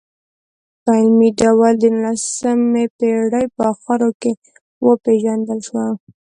په علمي ډول د نولسمې پېړۍ په اخرو کې وپېژندل شوه.